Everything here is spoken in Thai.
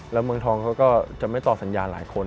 แล้วเมืองทองเขาก็จะไม่ตอบสัญญาหลายคน